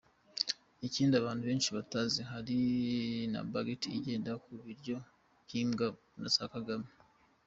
Ikindi abantu benshi batazi hari na ‘budget’ igenda ku biryo by’imbwa za Kagame.